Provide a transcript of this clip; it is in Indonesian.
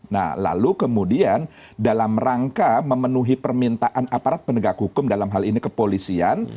nah lalu kemudian dalam rangka memenuhi permintaan aparat penegak hukum dalam hal ini kepolisian